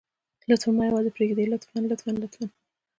لطفاً ما يوازې پرېږدئ لطفاً لطفاً لطفاً.